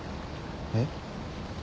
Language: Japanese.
えっ？